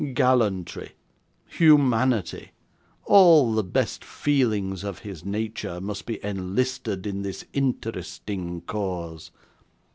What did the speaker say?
Gallantry, humanity, all the best feelings of his nature, must be enlisted in this interesting cause.